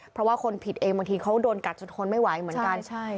เพราะว่าคนผิดเองบางทีเขาโดนกัดจนทนไม่ไหวเหมือนกัน